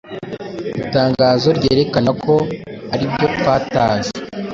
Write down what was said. itangazo ryerekana ko aribyotwatanze